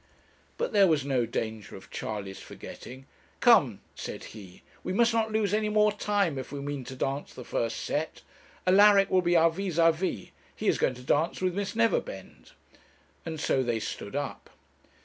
But there was no danger of Charley's forgetting. 'Come,' said he, 'we must not lose any more time, if we mean to dance the first set. Alaric will be our vis à vis he is going to dance with Miss Neverbend,' and so they stood up.